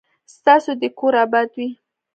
ستاسو دي کور اباد وي